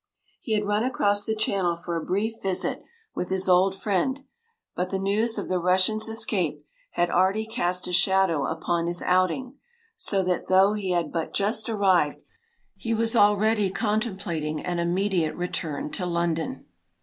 He had run across the Channel for a brief visit with his old friend, but the news of the Russian’s escape had already cast a shadow upon his outing, so that though he had but just arrived he was already contemplating an immediate return to London.